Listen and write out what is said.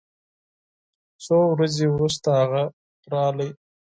څو ورځې وروسته هغه راغی